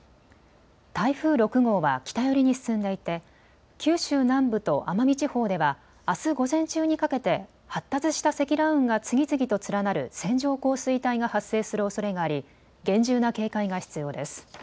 台風６号は北寄りに進んでいて九州南部と奄美地方ではあす午前中にかけて発達した積乱雲が次々と連なる線状降水帯が発生するおそれがあり厳重な警戒が必要です。